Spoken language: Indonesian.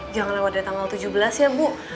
jangan lewat dari tanggal tujuh belas ya bu